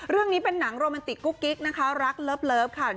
เรื่องนี้เป็นหนังโรมันติกกกกิ๊กนะครับที่รักเลิฟครับ